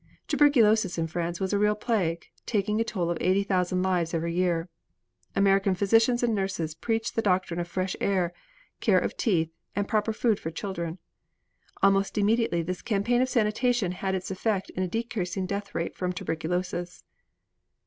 Tuberculosis in France was a real plague, taking a toll of 80,000 lives every year. American physicians and nurses preached the doctrine of fresh air, care of the teeth and proper food for children. Almost immediately this campaign of sanitation had its effect in a decreasing death rate from tuberculosis.